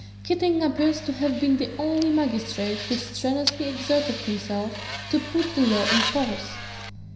Keating appears to have been the only magistrate who strenuously exerted himself to put the law in force.